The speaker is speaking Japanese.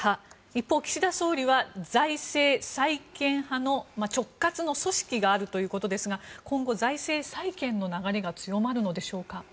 一方、岸田総理は財政再建派の直轄の組織があるということですが今後、財政再建派の流れが強まるのでしょうか。